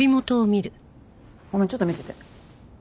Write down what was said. ごめんちょっと見せて。